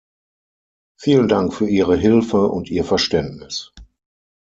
Vielen Dank für Ihre Hilfe und Ihr Verständnis.